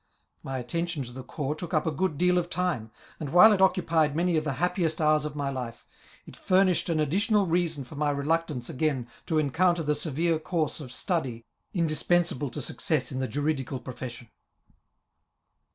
My attention to the corps took up a good deal of time ; and, while it occupied many of the happiest hours of my life, it furnished an additional reason for my reluctance again to encounter the seyere course of study indispensable to success in the juridical profession.